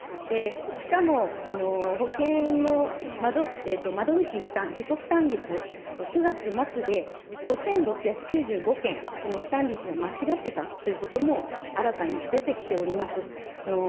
しかも保険の窓口負担、自己負担率、９月末で５６９５件、この負担率が間違ってたということも新たに出てきております。